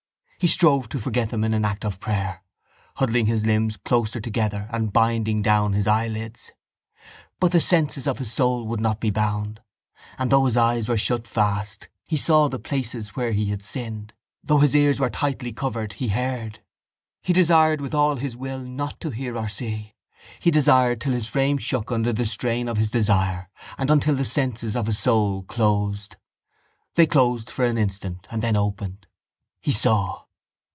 He strove to forget them in an act of prayer, huddling his limbs closer together and binding down his eyelids: but the senses of his soul would not be bound and, though his eyes were shut fast, he saw the places where he had sinned and, though his ears were tightly covered, he heard. He desired with all his will not to hear or see. He desired till his frame shook under the strain of his desire and until the senses of his soul closed. They closed for an instant and then opened. He saw.